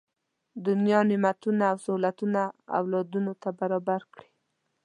دنیا نعمتونه او سهولتونه اولادونو ته برابر کړي.